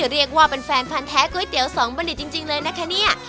เรียกว่าเป็นแฟนพันธ์แท้ก๋วยเตี๋ยวสองบัณฑิตจริงเลยนะคะเนี่ย